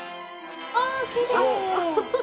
わあきれい！